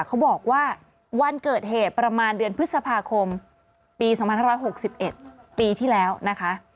เขาบอกว่าวันเกิดเหตุประมาณเดือนพฤษภาคมปี๒๕๖๑ปีที่แล้วนะคะ